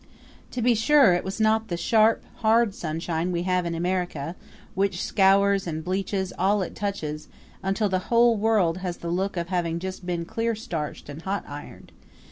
To be sure, it was not the sharp, hard sunshine we have in America, which scours and bleaches all it touches, until the whole world has the look of having just been clear starched and hot ironed.